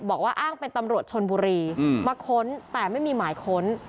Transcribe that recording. อ้างเป็นตำรวจชนบุรีมาค้นแต่ไม่มีหมายค้น